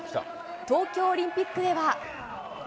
東京オリンピックでは。